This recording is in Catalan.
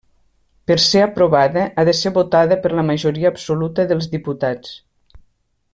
Per ser aprovada ha de ser votada per la majoria absoluta dels diputats.